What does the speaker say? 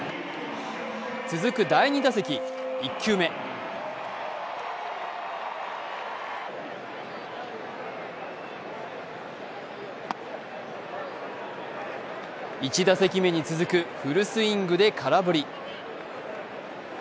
続く第２打席、１球目１打席目に続くフルスイングで空振り。